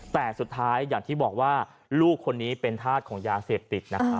แต่สุดท้ายอย่างที่บอกว่าลูกคนนี้เป็นธาตุของยาเสพติดนะครับ